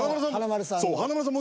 華丸さん